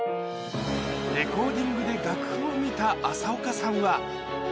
レコーディングで楽譜を見た麻丘さんは。